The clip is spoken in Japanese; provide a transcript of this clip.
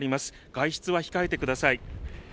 外出は控えてください。